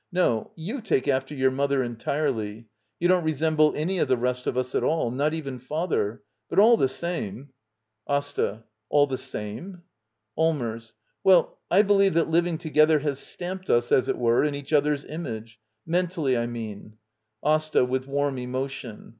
No, you take after your mother en tirely. You don't resemble any of the rest of us at all. Not even father. But all the same — Digitized by VjOOQIC Act 11. <^ LITTLE EYOLF AsT A. All the same —? Allmers. Well, I believe that living together ypBS stamped us, as it were, in each other's image — mentally, I mean. AsTA. [With warm emotion.